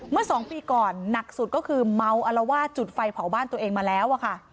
เมื่อ๒ปีก่อนหนักสุดก็คือเมาอลวาดจุดไฟเผาบ้านตัวเองมาแล้วอะค่ะ